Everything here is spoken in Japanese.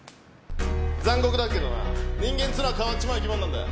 残酷だけどな人間っつうのは変わっちまう生き物なんだよ。